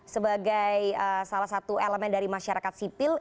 sebagai salah satu elemen dari masyarakat sipil